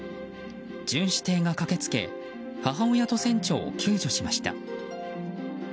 巡視艇が駆けつけ母親と船長を救助しました。